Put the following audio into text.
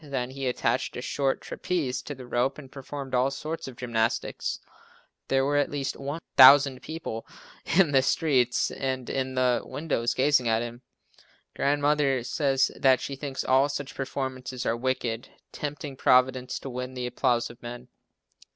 Then he attached a short trapeze to the rope and performed all sorts of gymnastics. There were at least 1,000 people in the street and in the windows gazing at him. Grandmother says that she thinks all such performances are wicked, tempting Providence to win the applause of men.